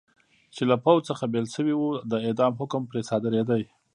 چې له پوځ څخه بېل شوي و، د اعدام حکم پرې صادرېده.